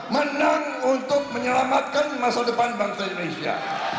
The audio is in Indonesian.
menang untuk menyelamatkan masa depan bangsa indonesia